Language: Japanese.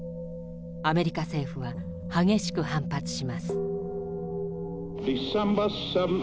アメリカ政府は激しく反発します。